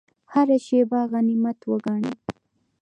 هره شیبه غنیمت وګڼئ